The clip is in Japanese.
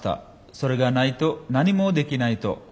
それがないと何もできないと。